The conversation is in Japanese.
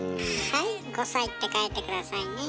はい「５さい」って書いて下さいね。